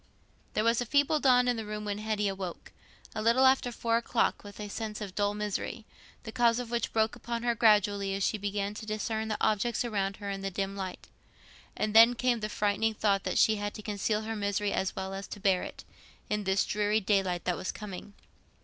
There was a feeble dawn in the room when Hetty awoke, a little after four o'clock, with a sense of dull misery, the cause of which broke upon her gradually as she began to discern the objects round her in the dim light. And then came the frightening thought that she had to conceal her misery as well as to bear it, in this dreary daylight that was coming.